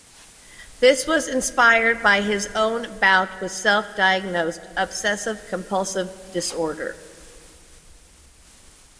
This was inspired by his own bout with self-diagnosed obsessive-compulsive disorder.